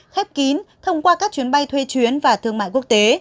khép kín thông qua các chuyến bay thuê chuyến và thương mại quốc tế